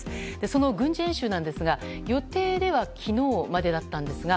その軍事演習ですが、予定では昨日までだったんですが